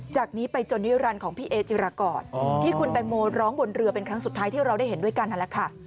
จากนี้ไปจนนิรันดิ์ของพี่เอจิรากรที่คุณแตงโมร้องบนเรือเป็นครั้งสุดท้ายที่เราได้เห็นด้วยกันนั่นแหละค่ะ